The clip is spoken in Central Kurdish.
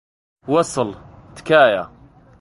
وەسڵ، تکایە.